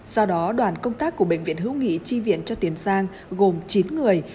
do đó đoàn công tác của bệnh viện hữu nghị chi viện cho tiền giang gồm chín người